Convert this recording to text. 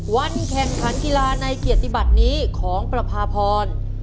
วันแข่งขันกีฬาในเกียรติบัตินี้ของประพาพร